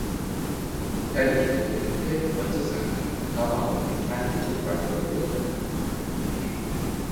Her iki devlet de Batı Sahra'nın tamamını kendi toprakları olarak kabul etmektedir.